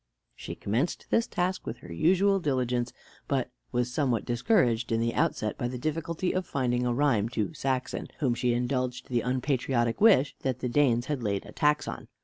She commenced this task with her usual diligence; but was somewhat discouraged in the outset by the difficulty of finding a rhyme to Saxon, whom she indulged the unpatriotic wish that the Danes had laid a tax on.